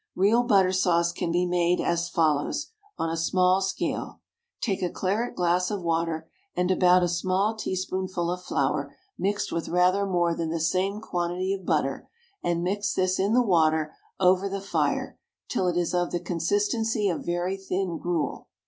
Real butter sauce can be made as follows, on a small scale: Take a claret glass of water, and about a small teaspoonful of flour mixed with rather more than the same quantity of butter, and mix this in the water over the fire till it is of the consistency of very thin gruel.